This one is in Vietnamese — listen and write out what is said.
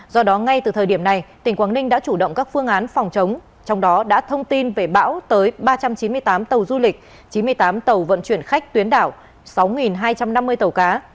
do đó ngay từ thời điểm này tỉnh quảng ninh đã chủ động các phương án phòng chống trong đó đã thông tin về bão tới ba trăm chín mươi tám tàu du lịch chín mươi tám tàu vận chuyển khách tuyến đảo sáu hai trăm năm mươi tàu cá